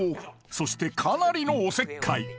そしてかなりのおせっかい